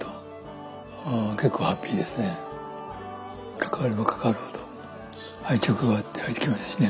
関われば関わるほど愛着がわいてきますしね。